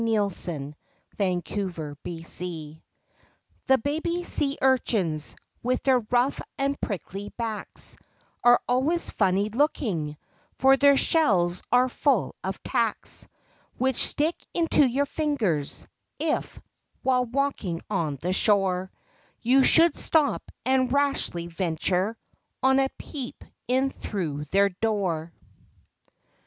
24 THE BABY SEA URCHINS C he baby sea urchins With their rough and prickly backs, Are always funny looking For their shells are full of tacks, Which stick into your fingers If, while walking on the shore You should stop and rashly venture On a peep in through their door.